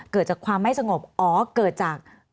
เกิดจากความไม่สงบอ๋อเกิดจาก